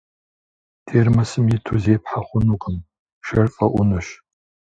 Термосым иту зепхьэ хъунукъым, шэр фӏэӏунущ.